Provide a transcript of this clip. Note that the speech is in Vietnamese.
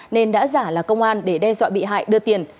nên đã giả là công an để đe dọa bị hại đưa tiền